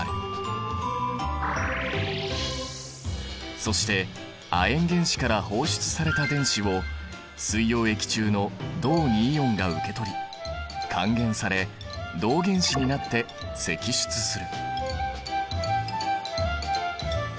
そして亜鉛原子から放出された電子を水溶液中の銅イオンが受け取り還元され銅原子になって析出する。